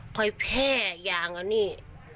คอยแพร่อย่างอันนี้